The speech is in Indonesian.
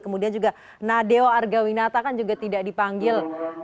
kemudian juga nadeo argawinata kan juga tidak dipanggil